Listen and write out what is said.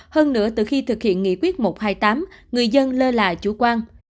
hơn nữa từ khi thực hiện nghị quyết một trăm hai mươi tám người dân lơ là chủ quan